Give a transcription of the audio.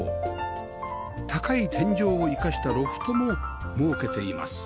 高い天井を生かしたロフトも設けています